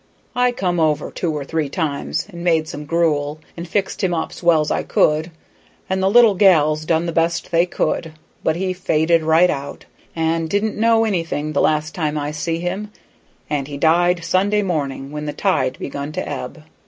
I come over two or three times and made some gruel and fixed him up's well's I could, and the little gals done the best they could, but he faded right out, and didn't know anything the last time I see him, and he died Sunday mornin', when the tide begun to ebb.